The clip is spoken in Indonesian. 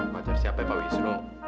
pacar siapa pak wisnu